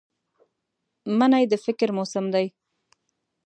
مني د فکر موسم دی